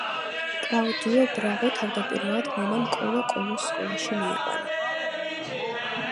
კლაუდიო ბრავო თავდაპირველად მამამ „კოლო-კოლოს“ სკოლაში მიიყვანა.